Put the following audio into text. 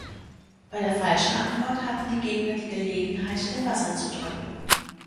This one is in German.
Bei der falschen Antwort hatten die Gegner die Gelegenheit, den Buzzer zu drücken.